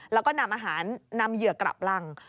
แล้วก็นำอาหารนำเหยื่อกลับรัง